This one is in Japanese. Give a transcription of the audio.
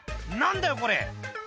「何だよこれ！」